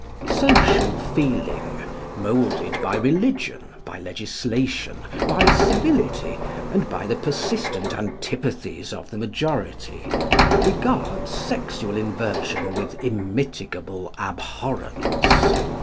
Social feeling, moulded by religion, by legislation, by civility, and by the persistent antipathies of the majority regards sexual inversion with immitigable abhorrence.